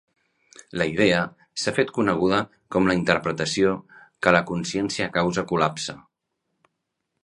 La idea s'ha fet coneguda com la interpretació que la consciència causa col·lapse.